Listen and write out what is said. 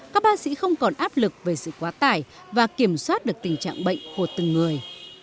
các bác sĩ không còn áp lực về sự quá tải và kiểm soát được tình trạng bệnh của từng người